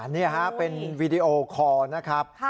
นี่ฮะเป็นวีดีโอคอร์นะครับ